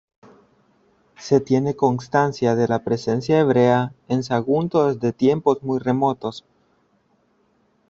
Se tiene constancia de la presencia hebrea en Sagunto desde tiempos muy remotos.